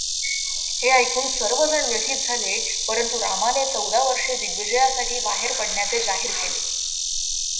हे ऐकून सर्वजण व्यथित झाले, परंतु रामाने चौदा वर्षे दिग्विजयासाठी बाहेर पडण्याचे जाहीर केले.